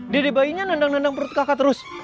diri bayinya nendang nendang perut kakak terus